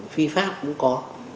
phi pháp cũng có